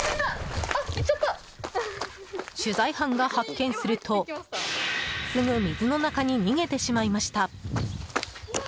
取材班が発見するとすぐ水の中に逃げてしまいました。